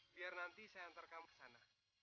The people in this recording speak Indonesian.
biar nanti saya antar kamu ke sana